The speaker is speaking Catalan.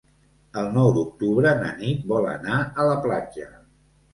El nou d'octubre na Nit vol anar a la platja.